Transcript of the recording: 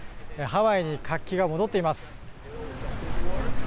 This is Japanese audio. ハワイに活気が戻っています。